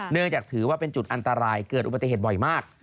เนื่องจากถือว่าเป็นจุดอันตรายเกิดอุบัติเหตุบ่อยมาก